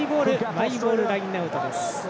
マイボールラインアウトです。